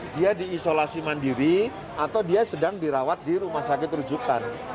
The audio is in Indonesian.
dia diisolasi mandiri atau dia sedang dirawat di rumah sakit rujukan